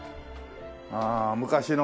ああ昔の。